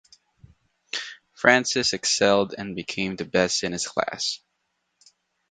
Francis excelled and became the best in his class.